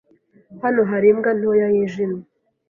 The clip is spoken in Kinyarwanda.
Hano hari imbwa ntoya yijimye.